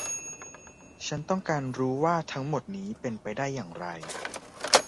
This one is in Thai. ฉันต้องการรู้ว่าทั้งหมดนี้เป็นไปได้อย่างไร